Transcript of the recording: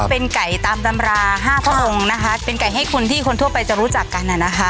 เป็นไก่ตามตำราห้าพระองค์นะคะเป็นไก่ให้คนที่คนทั่วไปจะรู้จักกันอ่ะนะคะ